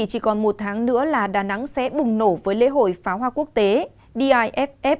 chỉ còn một tháng nữa là đà nẵng sẽ bùng nổ với lễ hội phá hoa quốc tế diff hai nghìn hai mươi bốn